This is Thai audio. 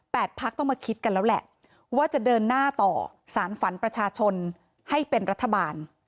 พักต้องมาคิดกันแล้วแหละว่าจะเดินหน้าต่อสารฝันประชาชนให้เป็นรัฐบาล